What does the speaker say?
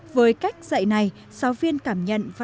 với cách dạy này giáo viên cảm nhận được những môn học